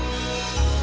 ya ibu selamat ya bud